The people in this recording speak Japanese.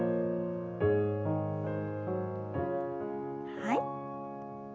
はい。